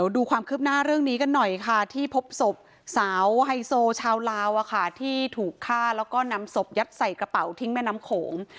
ดูความคืบหน้าเรื่องนี้กันหน่อยค่ะที่พบศพสาวไฮโซชาวลาวที่ถูกฆ่าแล้วก็นำศพยัดใส่กระเป๋าทิ้งแม่น้ำโขง